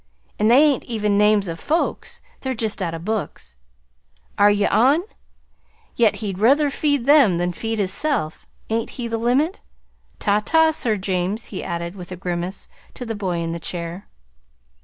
"An' they ain't even names of FOLKS. They're just guys out of books. Are ye on? Yet he'd ruther feed them than feed hisself. Ain't he the limit? Ta ta, Sir James," he added, with a grimace, to the boy in the chair.